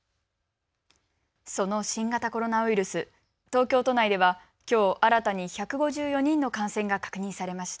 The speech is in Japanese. その新型コロナウイルス、東京都内ではきょう新たに１５４人の感染が確認されました。